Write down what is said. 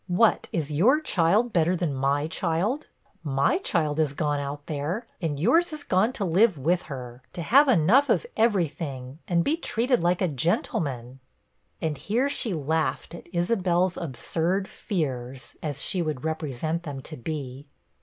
What, is your child, better than my child? My child is gone out there, and yours is gone to live with her, to have enough of every thing, and be treated like a gentleman!' And here she laughed at Isabel's absurd fears, as she would represent them to be.